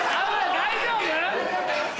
大丈夫？